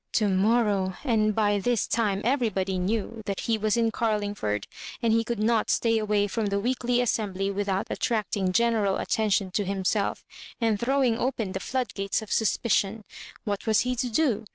To mor I row 1 — and by this time everybody knew that he was in Carhngford, and he could not stay away from the weekly assembly without attracting general atteution to himself, and throwing open the flood gates of suspicion. What was he to do